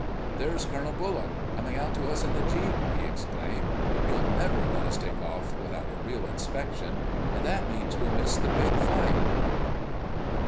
"There's Colonel Bullock coming out to us in the jeep!" he exclaimed. "He'll never let us take off without a real inspection. And that means we'll miss the big fight!"